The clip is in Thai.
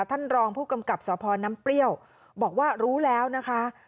ท่านรองผู้กำกับสพน้ำเปรี้ยวบอกว่ารู้แล้วนะคะ